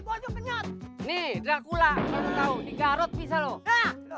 bocok penyot nih dracula kau di garut bisa loh